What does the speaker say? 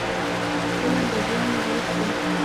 فلم د ژوند لوست دی